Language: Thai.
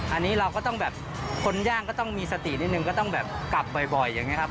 อันนี้เราก็ต้องแบบคนย่างก็ต้องมีสตินิดนึงก็ต้องแบบกลับบ่อยอย่างนี้ครับ